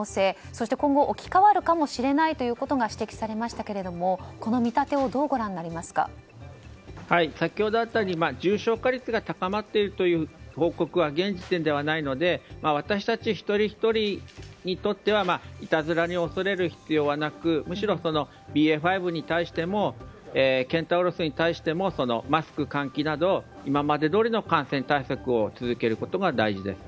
そして今後置き換わるかもしれないということが指摘されましたけれども先ほどあったように重症化率が高まっているという報告は現時点ではないので私たち一人ひとりにとってはいたずらに恐れる必要はなくむしろ、ＢＡ．５に対してもケンタウロスに対してもマスク、換気など今までどおりの感染対策を続けることが大事です。